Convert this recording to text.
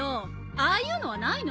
ああいうのはないの？